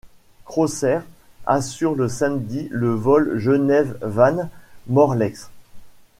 Crossair assure le samedi le vol Genève-Vannes-Morlaix.